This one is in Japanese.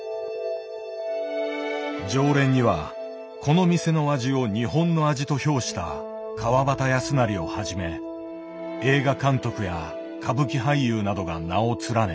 常連にはこの店の味を「日本の味」と評した川端康成をはじめ映画監督や歌舞伎俳優などが名を連ね。